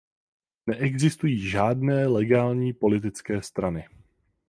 Neexistují žádné legální politické strany.